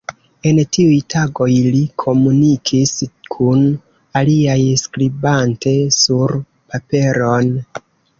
En tiuj tagoj li komunikis kun aliaj skribante sur paperon.